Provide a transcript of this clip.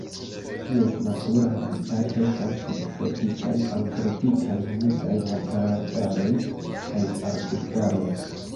Ties natura habitato estas subtropikaj aŭ tropikaj humidaj montararbaroj kaj arbustaroj.